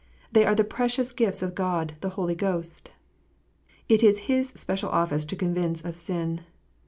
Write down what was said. They are the precious gifts of God the Holy Ghost. It is His special office to convince of sin.